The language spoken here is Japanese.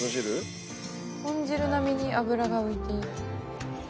豚汁並みに油が浮いている。